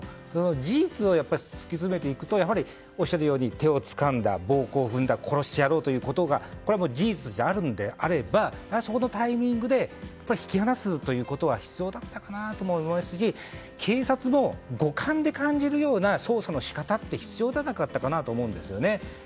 事実を突き詰めていくとやはり、おっしゃるように手をつかんだ暴行や殺してやろうということが事実としてはあるのであればそこのタイミングで引き離すということは必要だったかなと思いますし警察も五感で感じるような捜査の仕方って必要じゃなかったのかなと思うんですよね。